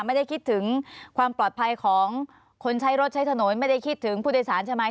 ไม่ได้คิดถึงความปลอดภัยของคนใช้รถใช้ถนนไม่ได้คิดถึงผู้โดยสารใช่ไหม